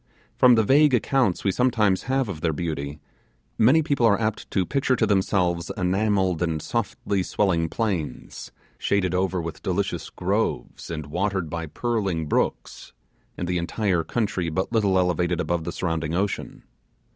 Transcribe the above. From the vague accounts we sometimes have of their beauty, many people are apt to picture to themselves enamelled and softly swelling plains, shaded over with delicious groves, and watered by purling brooks, and the entire country but little elevated above the surrounding ocean.